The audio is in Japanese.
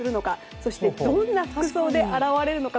そしてどんな服装で現れるのか。